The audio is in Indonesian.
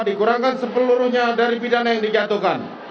dikurangkan sepeluruhnya dari pidana yang dijatuhkan